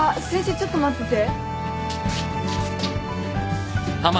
ちょっと待ってて。